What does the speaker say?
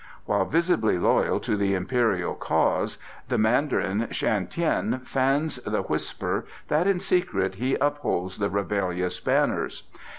While visibly loyal to the Imperial cause, the Mandarin Shan Tien fans the whisper that in secret he upholds the rebellious banners.